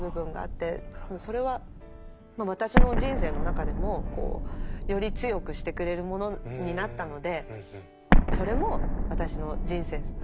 それは私の人生の中でもより強くしてくれるものになったのでそれも私の人生の糧だと思ってます。